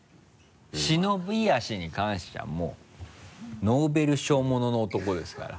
忍び足に関してはもうノーベル賞ものの男ですから。